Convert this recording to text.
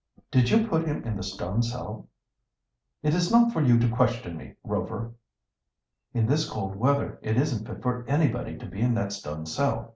"Did you put him in the stone cell?" "It is not for you to question me, Rover." "In this cold weather it isn't fit for anybody to be in that stone cell.